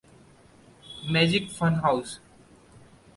Magic Funhouse!